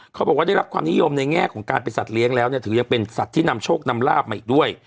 เขาบอกว่าได้รับความนิยมในแง่ของการเป็นสัตว์เลี้ยงแล้วเนี่ยถือยังเป็นสัตว์ที่นำโชคนำลาบมาอีกด้วย